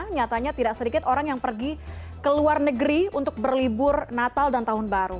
nyatanya tidak sedikit orang yang pergi ke luar negeri untuk berlibur natal dan tahun baru